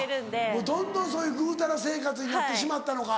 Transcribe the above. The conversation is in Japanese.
もうどんどんそういうぐうたら生活になってしまったのか。